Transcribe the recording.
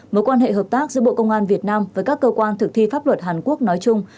mối quan hệ hợp tác giữa bộ công an việt nam với các cơ quan thực thi pháp luật hàn quốc nói chung